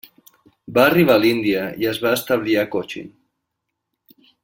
Va arribar a l'Índia i es va establir a Cochin.